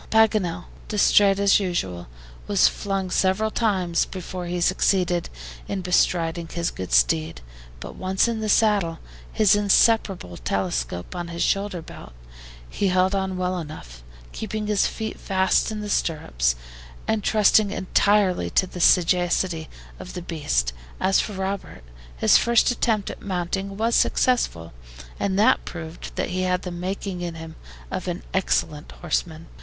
Paganel, DISTRAIT as usual, was flung several times before he succeeded in bestriding his good steed, but once in the saddle, his inseparable telescope on his shoulder belt, he held on well enough, keeping his feet fast in the stirrups, and trusting entirely to the sagacity of his beast. As for Robert, his first attempt at mounting was successful, and proved that he had the making in him of an excellent horseman.